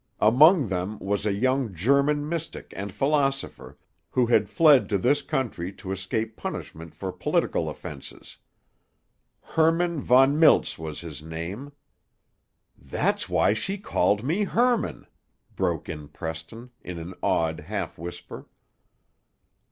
Among them was a young German mystic and philosopher, who had fled to this country to escape punishment for political offenses. Hermann von Miltz was his name." "That's why she called me Hermann," broke in Preston, in an awed half whisper.